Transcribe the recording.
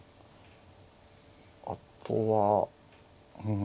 あとはうん。